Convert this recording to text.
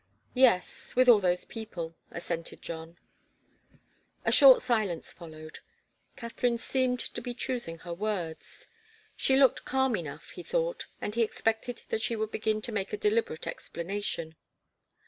"Yes with all those people," assented John. A short silence followed. Katharine seemed to be choosing her words. She looked calm enough, he thought, and he expected that she would begin to make a deliberate explanation.